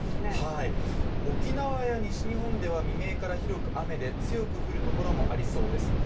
沖縄や西日本では未明からひどく雨で強く降るところもありそうです。